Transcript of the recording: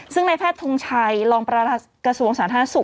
ซึ่งในแพทย์ทงชัยรองประธานกระทรวงสาธารณสุข